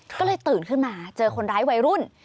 ก็เลยตื่นขึ้นมาเจอคนร้ายวัยรุ่น